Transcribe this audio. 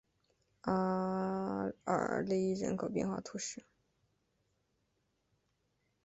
阿尔勒人口变化图示